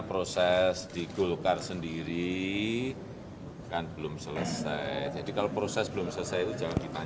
proses di gulkar itu belum selesai kan ditanyakan dulu ke ketua gulkar